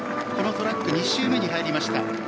このトラック２周目に入りました。